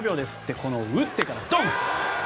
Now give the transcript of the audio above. この打ってからドン！